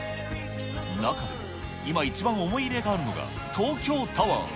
中でも、今一番思い入れがあるのが、東京タワー。